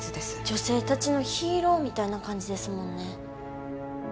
女性たちのヒーローみたいな感じですもんね